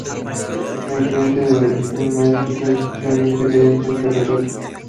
La influencia de los viejos maestros es especialmente evidente en sus retratos.